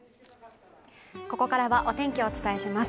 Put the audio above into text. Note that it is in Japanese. ここからはお天気をお伝えします。